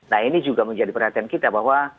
nah ini juga menjadi perhatian kita bahwa